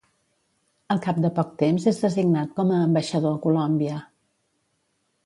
Al cap de poc temps és designat com a ambaixador a Colòmbia.